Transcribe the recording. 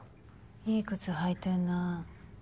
いい靴履いてんな。